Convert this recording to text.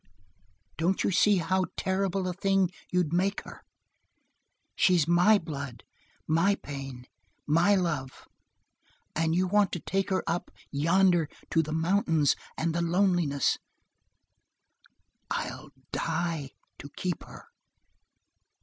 Don't you see how terrible a thing you'd make her? She's my blood, my pain, my love, and you want to take her up yonder to the mountains and the loneliness I'll die to keep her!"